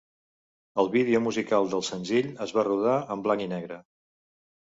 El vídeo musical del senzill es va rodar en blanc i negre.